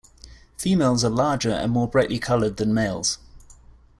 Females are larger and more brightly colored than males.